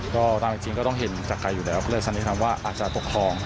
ก็ตามจริงก็ต้องเห็นจากใจอยู่แล้วก็เลยสันนิษฐานว่าอาจจะตกคลอง